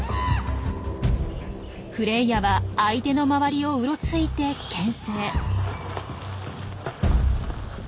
フレイヤは相手の周りをうろついてけん制。